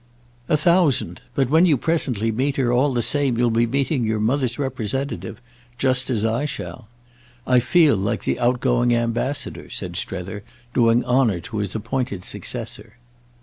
"A thousand; but when you presently meet her, all the same you'll be meeting your mother's representative—just as I shall. I feel like the outgoing ambassador," said Strether, "doing honour to his appointed successor."